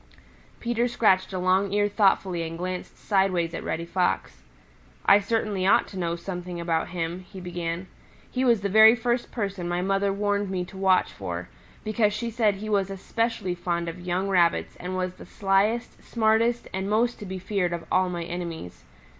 Peter scratched a long ear thoughtfully and glanced sideways at Reddy Fox. "I certainly ought to know something about him," he began. "He was the very first person my mother warned me to watch for, because she said he was especially fond of young Rabbits and was the slyest, smartest and most to be feared of all my enemies.